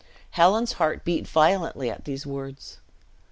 Helen's heart beat violently at these words.